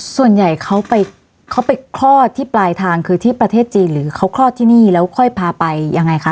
ส่วนใหญ่เขาไปเขาไปคลอดที่ปลายทางคือที่ประเทศจีนหรือเขาคลอดที่นี่แล้วค่อยพาไปยังไงคะ